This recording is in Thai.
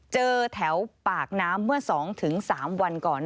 เจอแถวปากน้ำเมื่อสองถึงสามวันก่อน